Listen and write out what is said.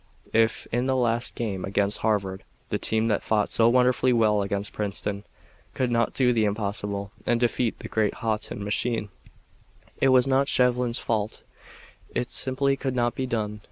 If, in the last game against Harvard, the team that fought so wonderfully well against Princeton could not do the impossible and defeat the great Haughton machine, it was not Shevlin's fault. It simply could not be done.